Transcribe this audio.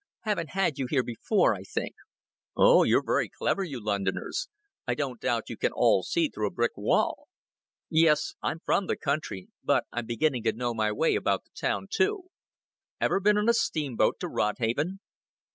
Haven't had you here before, I think." "Oh, you're very clever, you Londoners. I don't doubt you can all see through a brick wall. Yes, I'm from the country but I'm beginning to know my way about the town too. Ever bin on a steamboat to Rodhaven?"